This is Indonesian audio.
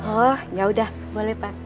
oh ya udah boleh pak